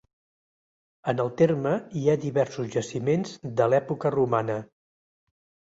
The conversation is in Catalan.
En el terme hi ha diversos jaciments de l'època romana.